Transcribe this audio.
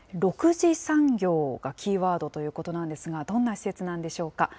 ６次産業がキーワードということなんですが、どんな施設なんでしょうか。